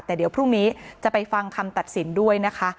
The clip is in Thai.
แต่เดี๋ยวพรุ่งนี้จะไปฟังคำตัดสินด้วยนะคะ